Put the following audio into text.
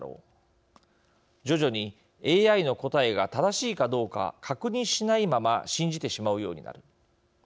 徐々にＡＩの答えが正しいかどうか確認しないまま信じてしまうようになる。